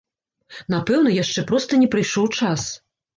Напэўна, яшчэ проста не прыйшоў час.